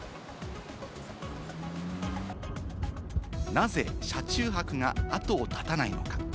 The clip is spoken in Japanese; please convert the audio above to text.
なぜ車中泊が後を絶たないのか？